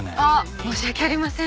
申し訳ありません。